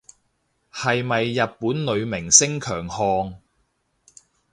係咪日本女明星強項